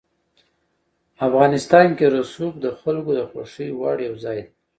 افغانستان کې رسوب د خلکو د خوښې وړ یو ځای دی.